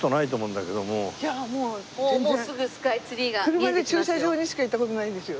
車で駐車場にしか行った事ないんですよ。